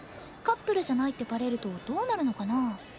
カップルじゃないってバレるとどうなるのかなぁ？